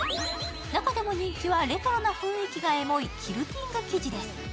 中でも人気はレトロな雰囲気がエモいキルティング生地です。